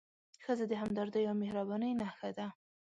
ښځه د همدردۍ او مهربانۍ نښه ده.